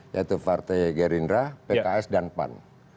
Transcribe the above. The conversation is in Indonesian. yaitu partai gerindra pks dan pan